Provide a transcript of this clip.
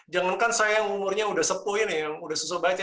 jangan kan saya yang umurnya udah sepuh ini yang udah susah baca